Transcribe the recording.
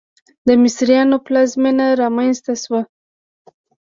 د مصریانو پلازمېنه رامنځته شوه.